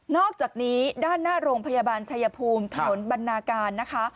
อกจากนี้ด้านหน้าโรงพยาบาลชายภูมิถนนบรรณาการนะคะ